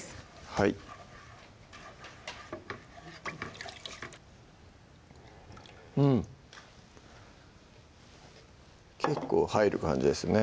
はい結構入る感じですね